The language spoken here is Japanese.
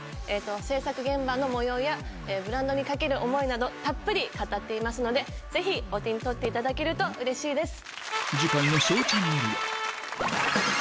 制作現場の模様やブランドに懸ける思いなどたっぷり語っていますのでぜひお手に取っていただけるとうれしいです。